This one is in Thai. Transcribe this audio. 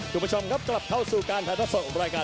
ทุกผู้ชมครับกลับเข้าสู่การแทนส่งบริการ